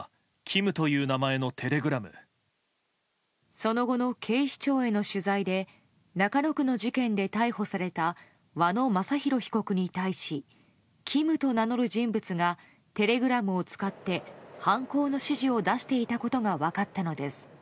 その後の警視庁への取材で中野区の事件で逮捕された和野正弘被告に対しＫＩＭと名乗る人物がテレグラムを使って犯行の指示を出していたことが分かったのです。